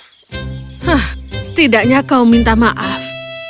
hah setidaknya kau minta maaf